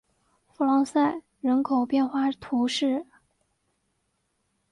弗朗赛人口变化图示